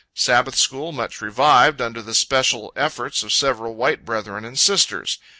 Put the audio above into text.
Sabbath school much revived, under the special efforts of several white brethren and sisters.